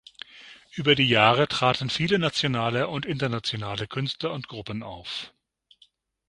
Über die Jahre traten viele nationale und internationale Künstler und Gruppen auf.